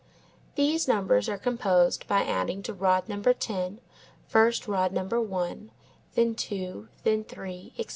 These numbers are composed by adding to rod number 10, first rod number 1, then 2, then 3, etc.